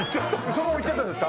そのまま行っちゃったんです